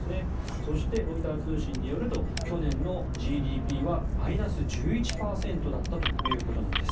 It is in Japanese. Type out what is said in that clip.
そして、ロイター通信によると去年のＧＤＰはマイナス１１％だったということです。